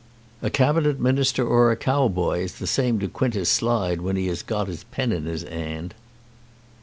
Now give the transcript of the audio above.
A Cabinet Minister or a cowboy is the same to Quintus Slide when he has got his pen in 'is 'and."